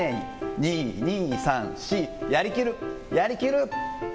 ２、２、３、４、やりきる、やりきる。